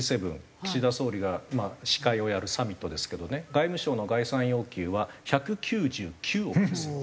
岸田総理が司会をやるサミットですけどね外務省の概算要求は１９９億ですよ。